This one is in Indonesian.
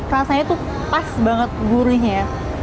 rasanya tuh pas banget gurihnya ya